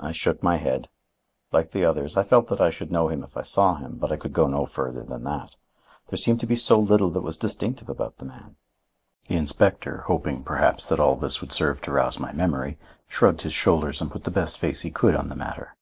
I shook my head. Like the others, I felt that I should know him if I saw him, but I could go no further than that. There seemed to be so little that was distinctive about the man. The inspector, hoping, perhaps, that all this would serve to rouse my memory, shrugged his shoulders and put the best face he could on the matter.